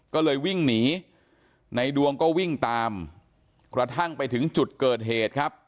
ก็เลยวิ่งหนีในดวงก็วิ่งตามกระทั่งไปถึงจุดเกิดเหตุครับ